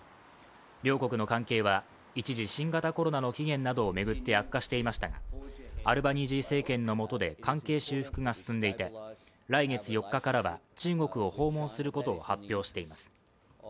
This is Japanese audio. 両国の関係は一時、新型コロナの起源などを巡って悪化していましたが、アルバニージー政権の下で関係修復が進んでいて来月４日からは中国を訪問することを発表しています。